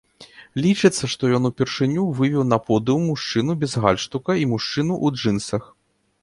Лічыцца, што ён упершыню вывеў на подыум мужчыну без гальштука і мужчыну ў джынсах.